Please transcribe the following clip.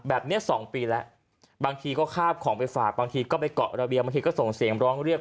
แบบนี้๒ปีแล้วบางทีก็คาบของไปฝากบางทีก็ไปเกาะระเบียงบางทีก็ส่งเสียงร้องเรียก